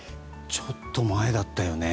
ちょっと前だったよね。